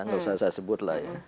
tidak usah saya sebut